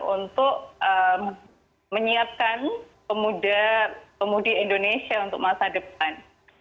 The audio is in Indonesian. untuk menyiapkan pemuda pemudi indonesia untuk masa depan